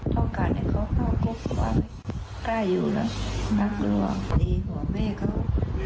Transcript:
โทษกันให้เขาเข้ากบว่าไม่กล้าอยู่แล้วมักรวงตีหัวแม่เขา